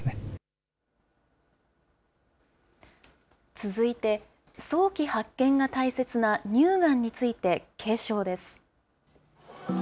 続いて、早期発見が大切な乳がんについて警鐘です。